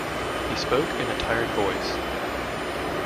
He spoke in a tired voice.